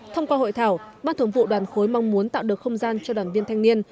thông qua hội thảo ban thường vụ đoàn khối mong muốn tạo được không gian cho đoàn viên thanh niên